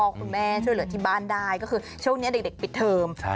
คุณแม่ช่วยเหลือที่บ้านได้ก็คือช่วงนี้เด็กปิดเทอม